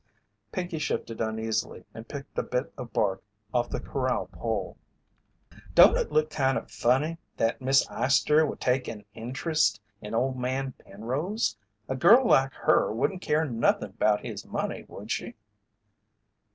Pinkey shifted uneasily and picked a bit of bark off the corral pole. "Don't it look kinda funny that Miss Eyester would take any in'trist in Old Man Penrose? A girl like her wouldn't care nothin' about his money, would she?"